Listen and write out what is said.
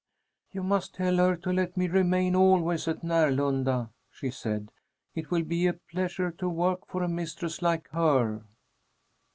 "You must tell her to let me remain always at Närlunda," she said. "It will be a pleasure to work for a mistress like her."